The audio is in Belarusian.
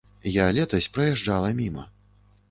Я летась праязджала міма.